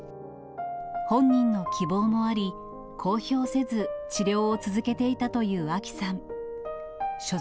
本人の希望もあり、公表せず、治療を続けていたというあきさん。